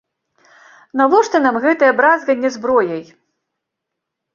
Навошта нам гэтае бразганне зброяй?